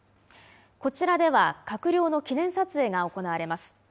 こちらでは閣僚の記念撮影が行われます。